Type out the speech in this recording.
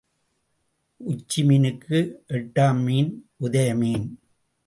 உச்சி மீனுக்கு எட்டாம் மீன் உதய மீன்.